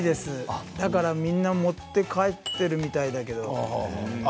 だから、みんな持って帰っているみたいだけど。